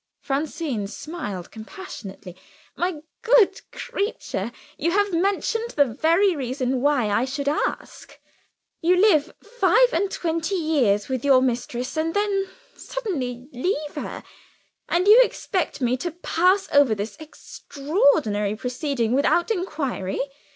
Francine smiled compassionately. "My good creature, you have mentioned the very reason why I should ask. You live five and twenty years with your mistress and then suddenly leave her and you expect me to pass over this extraordinary proceeding without inquiry.